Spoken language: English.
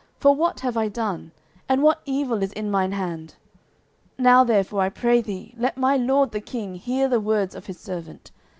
for what have I done? or what evil is in mine hand? 09:026:019 Now therefore, I pray thee, let my lord the king hear the words of his servant.